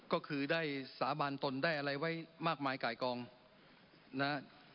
ก็คือได้สาบานตนได้อะไรไว้มากมายไก่กองนะ